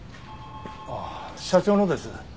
ああ社長のです。